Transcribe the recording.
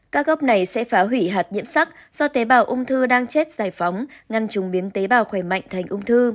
các gốc này sẽ phá hủy hạt nhiễm sắc do tế bào ung thư đang chết giải phóng ngăn chúng biến tế bào khỏe mạnh thành ung thư